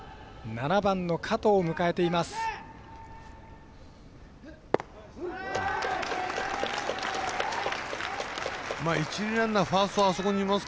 ７番の加藤を迎えています。